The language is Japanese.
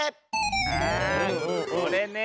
あこれね。